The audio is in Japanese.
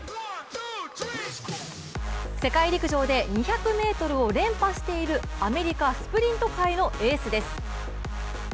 世界陸上で２００ｍを連覇しているアメリカ・スプリント界のエースです。